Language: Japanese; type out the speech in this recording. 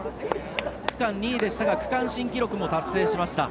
区間２位でしたが区間新記録も達成しました。